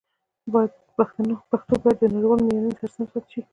پښتو باید د نړیوالو معیارونو سره سم ثبت شي.